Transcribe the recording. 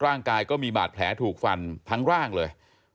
ร่างกายก็มีบาดแผลถูกฟันทั้งร่างเลย